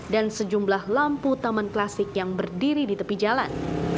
dan sejumlah lampu taman klasik yang berdiri di tepi jalan